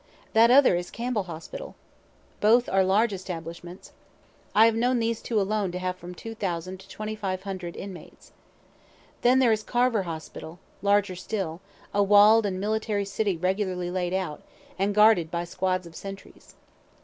That other is Campbell hospital. Both are large establishments. I have known these two alone to have from two thousand to twenty five hundred inmates. Then there is Carver hospital, larger still, a wall'd and military city regularly laid out, and guarded by squads of sentries.